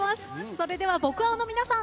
それでは僕青の皆さん